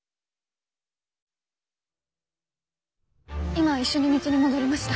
今一緒に道に戻りました。